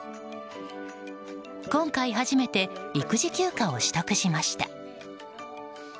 今回、初めて育児休暇を取得しました。